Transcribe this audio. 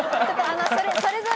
それぞれ。